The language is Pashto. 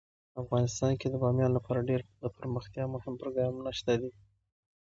افغانستان کې د بامیان لپاره ډیر دپرمختیا مهم پروګرامونه شته دي.